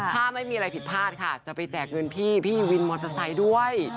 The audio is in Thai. ถ้าไม่มีอะไรผิดพลาดค่ะจะไปแจกเงินพี่พี่วินมอเตอร์ไซค์ด้วย